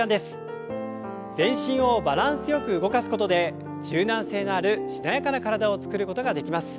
全身をバランスよく動かすことで柔軟性があるしなやかな体を作ることができます。